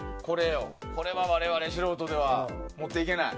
これは我々素人では持っていけない。